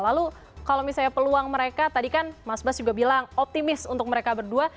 lalu kalau misalnya peluang mereka tadi kan mas bas juga bilang optimis untuk mereka berdua